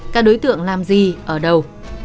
các đối tượng làm gì ở đâu